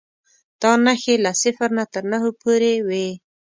دا نښې له صفر تر نهو پورې وې.